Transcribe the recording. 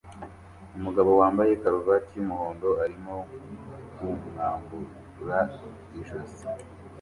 Umugabo wambaye karuvati yumuhondo arimo kumwambura ijosi